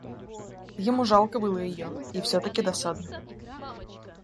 Ему жалко было ее и все-таки досадно.